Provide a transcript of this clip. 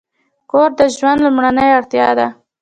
کور د ژوند لومړنۍ اړتیا ده.